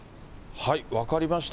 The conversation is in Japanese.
分かりました。